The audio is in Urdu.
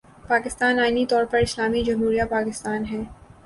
پاکستان آئینی طور پر 'اسلامی جمہوریہ پاکستان‘ ہے۔